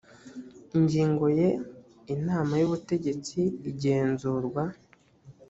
ingingo ya inama y ubutegetsi igenzurwa